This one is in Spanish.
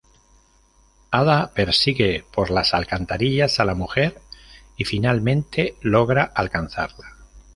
Ada persigue por las alcantarillas a la mujer y finalmente logra alcanzarla.